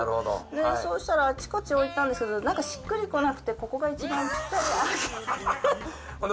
そうしたら、あちこち置いたんですけど、なんかしっくりこなくて、ここが一番ぴったり合うかなと。